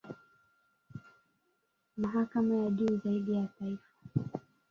mahakama ya juu zaidi ya taifa